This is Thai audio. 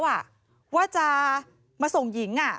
ว่าจะมาส่งหญิง